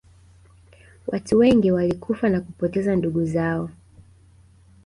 watu wengi walikufa na kupoteza ndugu zao